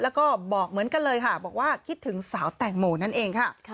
แล้วก็บอกเหมือนกันเลยค่ะบอกว่าคิดถึงสาวแตงโมนั่นเองค่ะ